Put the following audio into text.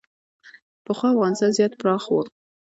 پخوا افغانستان زیات پراخ و